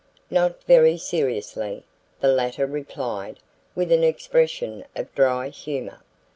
"Not very seriously," the latter replied with an expression of dry humor.